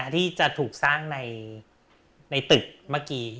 ที่จะถูกสร้างในตึกเมื่อกี้